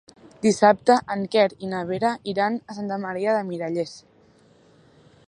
Dissabte en Quer i na Vera iran a Santa Maria de Miralles.